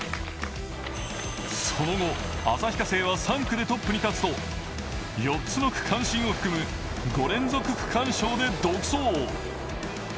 その後、旭化成は３区でトップに立つと４つの区間新を含む５連続区間賞で独走。